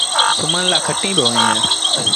سُومڻ لآ کٽيٚن با اوهيݩ۔